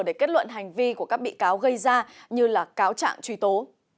để kết luận hành vi của các bị cáo gây ra như là cáo trạng truy tố